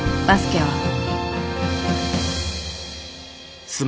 バスケは。